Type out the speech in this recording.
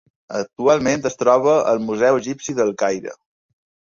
Actualment es troba al Museu Egipci del Caire.